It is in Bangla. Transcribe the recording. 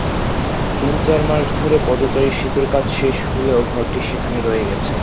তিন-চার মাস ধরে পদচারী-সেতুর কাজ শেষ হলেও ঘরটি সেখানে রয়ে গেছে।